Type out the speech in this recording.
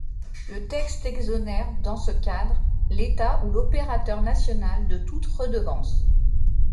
Le texte exonère, dans ce cadre, l’État ou l’opérateur national de toute redevance.